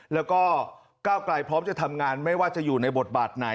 แล้วก็ก้าวไกลพร้อมจะทำงานไม่ว่าจะอยู่ในบทบาทไหน